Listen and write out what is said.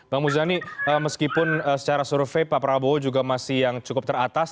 bang muzani meskipun secara survei pak prabowo juga masih yang cukup teratas